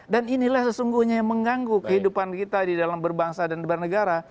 dan inilah sesungguhnya yang mengganggu kehidupan kita di dalam berbangsa dan bernegara